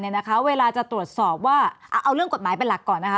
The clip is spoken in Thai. เวลาจะตรวจสอบว่าเอาเรื่องกฎหมายเป็นหลักก่อนนะคะ